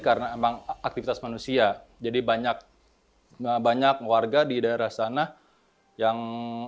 karena emang aktivitas manusia jadi banyak banyak warga di daerah sana yang